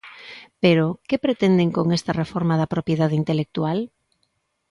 Pero, que pretenden con esta reforma da propiedade intelectual?